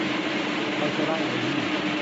ไทย โซล่าร์ เอ็นเนอร์ยี่